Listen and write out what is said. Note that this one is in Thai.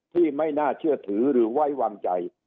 ที่ไม่น่าเชื่อถือหรือไว้วางใจ